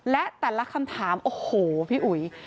และแต่ละคำถามโอ้โหพี่อุ๋ย